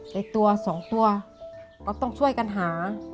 แต่ตัวสองตัวเราต้องช่วยกันหา